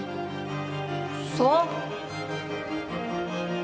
そう？